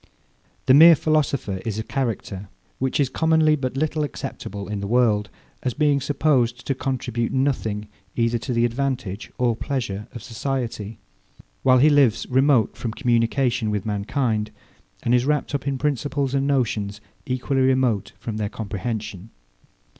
The mere philosopher is a character, which is commonly but little acceptable in the world, as being supposed to contribute nothing either to the advantage or pleasure of society; while he lives remote from communication with mankind, and is wrapped up in principles and notions equally remote from their comprehension.